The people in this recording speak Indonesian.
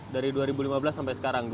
dari dua ribu lima belas sampai sekarang